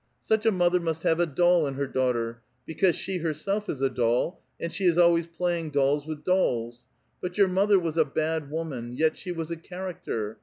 Such a mother must have a doll in her daughter, because she herself is a doll, and she is always playing dolls with dolls. But your mother was a bad woman : vet she was a character.